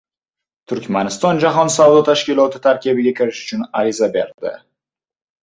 Turkmaniston Jahon savdo tashkiloti tarkibiga kirish uchun ariza berdi